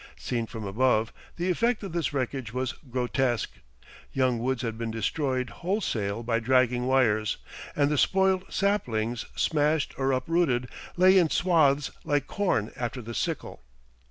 Seen from above, the effect of this wreckage was grotesque. Young woods had been destroyed whole sale by dragging wires, and the spoilt saplings, smashed or uprooted, lay in swathes like corn after the sickle.